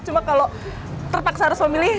cuma kalau terpaksa harus memilih